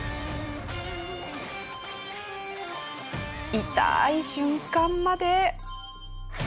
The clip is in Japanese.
イタい瞬間まで。